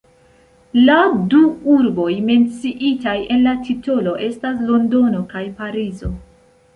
La du urboj menciitaj en la titolo estas Londono kaj Parizo.